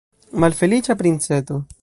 Malfeliĉa princeto!